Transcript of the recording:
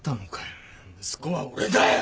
息子は俺だよ！